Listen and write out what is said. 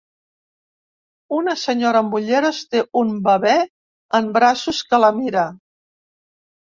Una senyora amb ulleres té un bebè en braços que la mira.